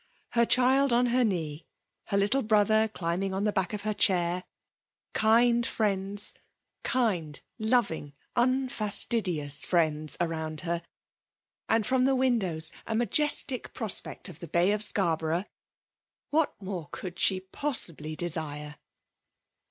Her child on her knee, her . little brother dimbing on the bac|c of her chair, kind friends — ^Idnd, loving, unfiM tidious friends around her> and from the windows a majestic prospect of the Bay ef Scarborough,— what more could she possibfy desire?